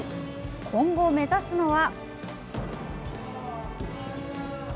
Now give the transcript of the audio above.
今後目指すのは？